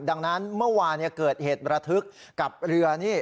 ดังนั้นเมื่อวานเกิดเหตุระทึกกับเรือนี่